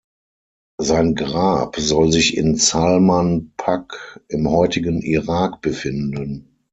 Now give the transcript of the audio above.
Sein Grab soll sich in Salman Pak, im heutigen Irak, befinden.